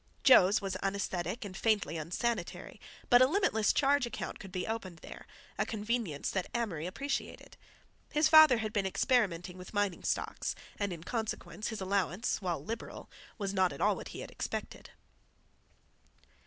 "Joe's" was unaesthetic and faintly unsanitary, but a limitless charge account could be opened there, a convenience that Amory appreciated. His father had been experimenting with mining stocks and, in consequence, his allowance, while liberal, was not at all what he had expected.